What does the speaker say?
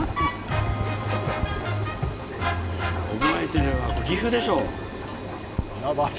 覚えてるわこれ岐阜でしょ？